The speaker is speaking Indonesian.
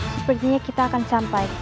sepertinya kita akan sampai